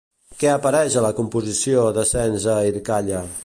Què apareix a la composició Descens a Irkalla?